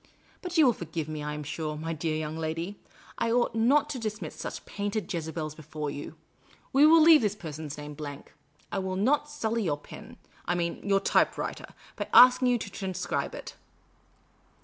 But you will forgive me, I am sure, my dear young lady ; I ought not to discuss such painted Jezebels before you. We will leave this person's name blank. I will not sully your pen — I mean, your typewriter — by asking you to transcribe it."